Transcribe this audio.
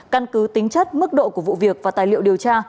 căn cứ tính chất mức độ của vụ việc và tài liệu điều tra